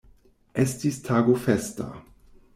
Estis tago festa.